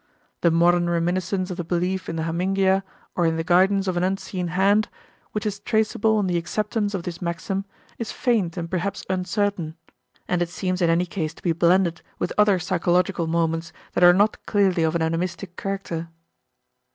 The modern reminiscence of the belief in the hamingia, or in the guidance of an unseen hand, which is traceable in the acceptance of this maxim is faint and perhaps uncertain; and it seems in any case to be blended with other psychological moments that are not clearly of an animistic character.